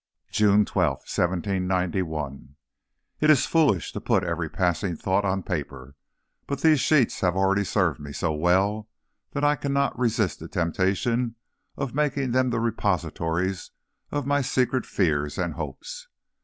JUNE 12, 1791. It is foolish to put every passing thought on paper, but these sheets have already served me so well that I cannot resist the temptation of making them the repositories of my secret fears and hopes.